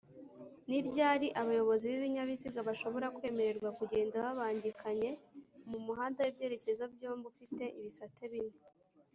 niryari abayobozi bibinyabiziga bashobora kwemererwa kugenda babangikanye?mumuhanda w’ibyerekezo byombi ufite ibisate bine